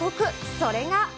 それが。